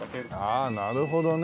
ああなるほどね。